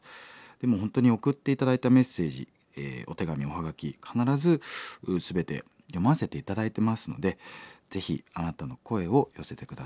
でも本当に送って頂いたメッセージお手紙おはがき必ず全て読ませて頂いてますのでぜひあなたの声を寄せて下さい。